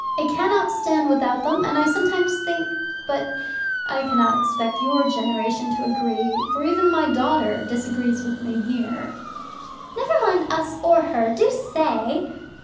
"It cannot stand without them, and I sometimes think But I cannot expect your generation to agree, for even my daughter disagrees with me here." "Never mind us or her. Do say!"